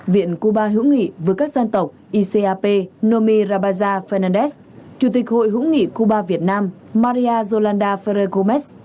viện cuba hữu nghị với các dân tộc icap nomi rabaja fernandez chủ tịch hội hữu nghị cuba việt nam maria yolanda ferregomes